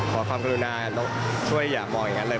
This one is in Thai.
ขอความกระดูกหน้าต้องช่วยอย่ามองอย่างนั้นเลย